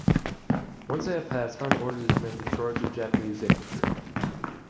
Once they had passed Khan ordered his men to charge the Japanese infantry.